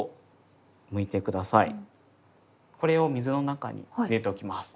これを水の中に入れておきます。